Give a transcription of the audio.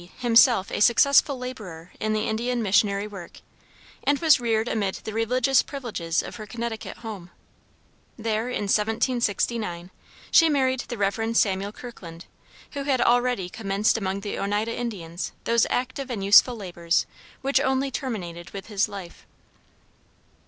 himself a successful laborer in the Indian missionary work, and was reared amid the religious privileges of her Connecticut home. There, in 1769, she married the Rev. Samuel Kirkland, who had already commenced among the Oneida Indians those active and useful labors which only terminated with his life.